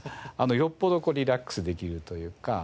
よっぽどリラックスできるというか。